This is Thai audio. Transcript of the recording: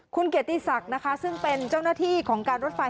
คุณเกียรติศักดิ์นะคะซึ่งเป็นเจ้าหน้าที่ของการรถไฟ